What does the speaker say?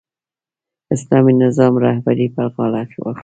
اسلامي نظام رهبري پر غاړه واخلي.